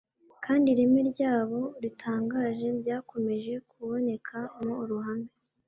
kandi ireme ryabo ritangaje ryakomeje kuboneka mu ruhame